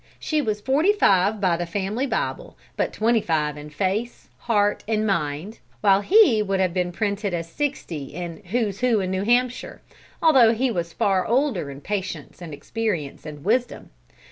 She was forty five by the family Bible but twenty five in face, heart, and mind, while he would have been printed as sixty in "Who's Who in New Hampshire" although he was far older in patience and experience and wisdom.